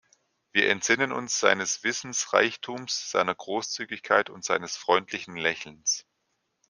Wir entsinnen uns seines Wissensreichtums, seiner Großzügigkeit und seines freundlichen Lächelns.